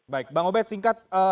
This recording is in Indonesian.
baik bang obed singkat